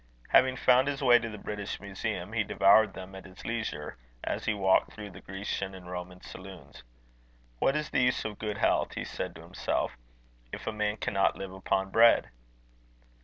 Having found his way to the British Museum, he devoured them at his leisure as he walked through the Grecian and Roman saloons. "What is the use of good health," he said to himself, "if a man cannot live upon bread?"